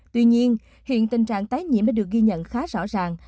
tuy nhiên hiện tình trạng tái nhiễm đã được ghi nhận khá rõ ràng